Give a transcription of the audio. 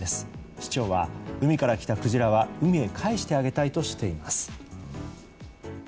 市長は海から来たクジラは海にかえしてあげたいとしています。